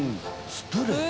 スプレーで？